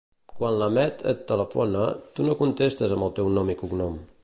Quan la Mette et telefona, tu no contestes amb el teu nom i cognom.